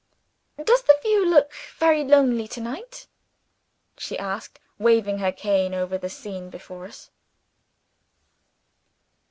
"Does the view look very lonely to night?" she asked, waving her cane over the scene before us.